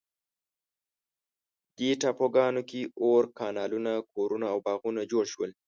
دې ټاپوګانو کې اور، کانالونه، کورونه او باغونه جوړ شول.